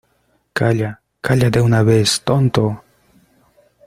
¡ Calla! ¡ calla de una vez, tonto !